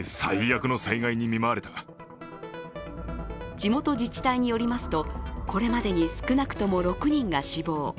地元自治体によりますと、これまでに少なくとも６人が死亡。